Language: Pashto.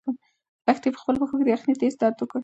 لښتې په خپلو پښو کې د یخنۍ تېز درد احساس کړ.